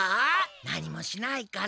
何もしないから。